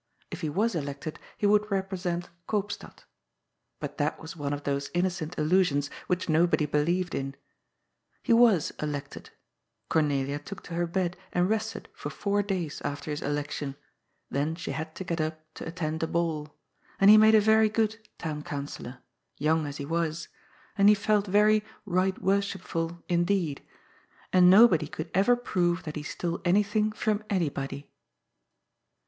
If he was elected, he would represent Koopstad. But that was one of those innocent illusions which nobody believed in. He was elected ; Cornelia took to her bed and rested for four days after his election, then she had to get up to attend a ball ; and he made a very good Town Councillor, young as he was, and he felt very "Eight Worshipful" indeed, and nobody could ever prove that he stole anything from any body.